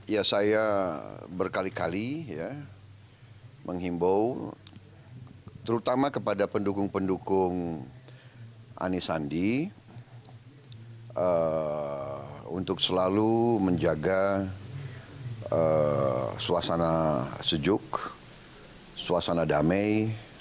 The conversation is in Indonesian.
ya saya berkali kali ya menghimbau terutama kepada pendukung pendukung anisandi untuk selalu menjaga suasana sejuk suasana damai